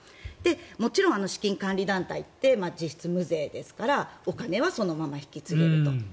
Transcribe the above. もちろん資金管理団体って実質無税ですからお金はそのまま引き継げると。